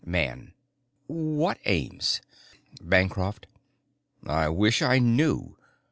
Man: "What aims?" Bancroft: "I wish I knew.